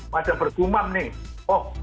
pada bergumam nih